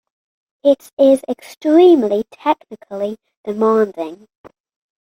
It is extremely technically demanding.